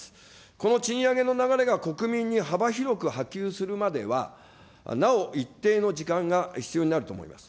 この賃上げの流れが国民に幅広く波及するまでは、なお一定の時間が必要になると思います。